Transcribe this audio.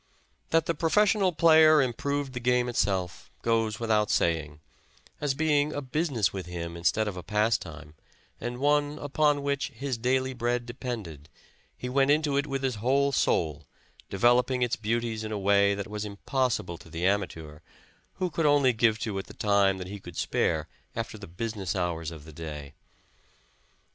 That the professional player improved the game itself goes without saying as being a business with him instead of a pastime, and one upon which his daily bread depended, he went into it with his whole soul, developing its beauties in a way that was impossible to the amateur who could only give to it the time that he could spare after the business hours of the day.